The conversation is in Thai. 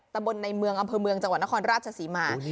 ตะบลในอำเภอเมืองจังหวัณคอนราชศรีมา